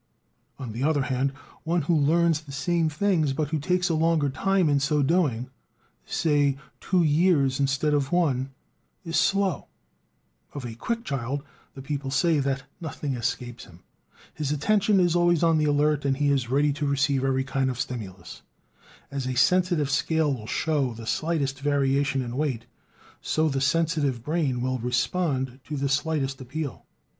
On the other hand, one who learns the same things, but who takes a longer time in so doing, say two years instead of one, is slow. Of a "quick" child, the people say that "nothing escapes him"; his attention is always on the alert, and he is ready to receive every kind of stimulus: as a sensitive scale will show the slightest variation in weight, so the sensitive brain will respond to the slightest appeal.